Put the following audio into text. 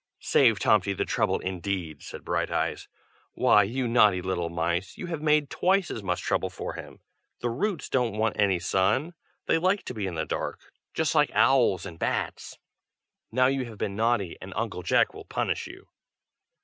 "Save Tomty the trouble, indeed!" said Brighteyes. "Why, you naughty little mice, you have made twice as much trouble for him. The roots don't want any sun, they like to be in the dark, just like owls and bats. Now you have been naughty, and Uncle Jack will punish you."